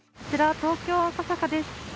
こちら、東京・赤坂です。